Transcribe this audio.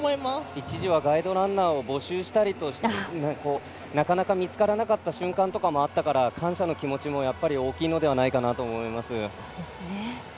一時はガイドランナーを募集したりなかなか見つからなかった瞬間もあったから、感謝の気持ちも大きいのではないかと思います。